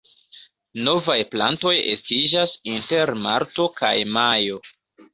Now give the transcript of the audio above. Novaj plantoj estiĝas inter marto kaj majo.